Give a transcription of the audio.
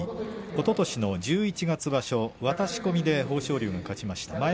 おととしの十一月場所渡し込みで豊昇龍が勝ちました。